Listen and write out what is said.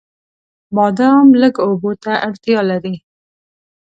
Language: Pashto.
بادام لږو اوبو ته اړتیا لري.